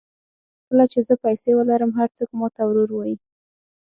کله چې زه پیسې ولرم هر څوک ماته ورور وایي.